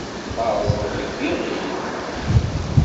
Terrẓeḍ deg yiɣil.